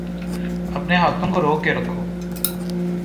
اپنے ہاتھوں کو روک کے رکھو